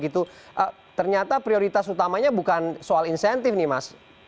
ternyata prioritas utamanya bukan soal insentif nih mas